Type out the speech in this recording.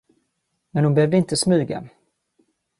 Men hon behövde inte smyga.